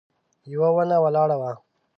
يوه ونه ولاړه وه.